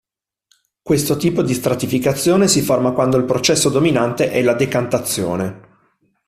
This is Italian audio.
Questo tipo di stratificazione si forma quando il processo dominante è la decantazione.